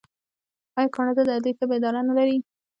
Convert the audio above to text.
آیا کاناډا د عدلي طب اداره نلري؟